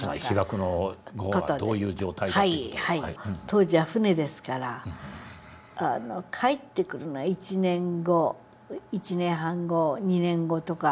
当時は船ですから帰ってくるのは１年後１年半後２年後とか。